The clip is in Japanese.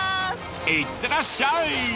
いってらっしゃい！